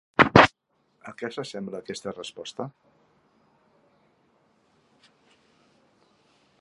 A què s'assembla aquesta resposta?